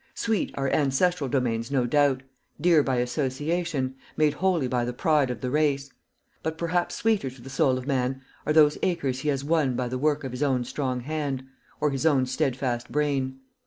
Sweet are ancestral domains, no doubt; dear by association, made holy by the pride of the race; but perhaps sweeter to the soul of man are those acres he has won by the work of his own strong hand, or his own steadfast brain.